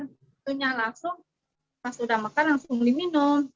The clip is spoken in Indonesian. maksudnya langsung pas sudah mekar langsung diminum